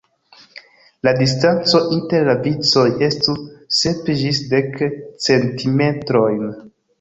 La distanco inter la vicoj estu sep ĝis dek centimetrojn.